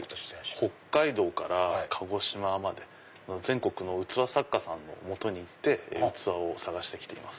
北海道から鹿児島まで全国の器作家さんの元に行って器を探してきています。